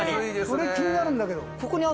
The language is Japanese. これ気になるんだけど。